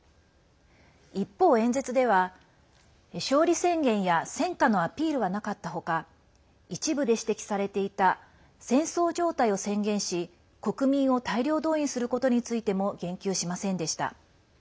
一方、演説では勝利宣言や戦果のアピールはなかったほか一部で指摘されていた戦争状態を宣言し、国民を大量動員することについても言及しませんでした。